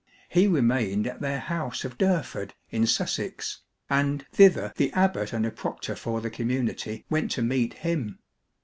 He re mained at their house of Durford in Sussex, and thither the abbot and a proctor for the community went to meet him.